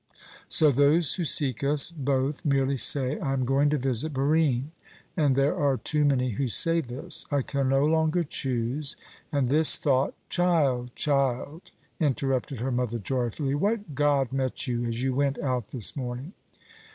So those who seek us both merely say, 'I am going to visit Barine' and there are too many who say this I can no longer choose, and this thought " "Child! child!" interrupted her mother joyfully, "what god met you as you went out this morning?"